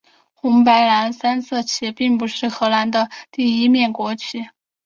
红白蓝三色旗并不是荷兰的第一面国旗。